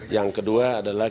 yang kedua adalah